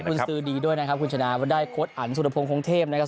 คุณซื้อดีด้วยนะครับคุณชนะก็ได้โค้ดอันสุรพงศ์คงเทพนะครับ